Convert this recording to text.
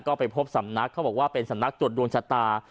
ก็ไปพบสำนักเขาบอกว่าเป็นสำนักตรวจดวงชะตา